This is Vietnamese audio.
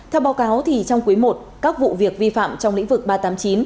theo báo cáo trong quý i các vụ việc vi phạm trong lĩnh vực ba trăm tám mươi chín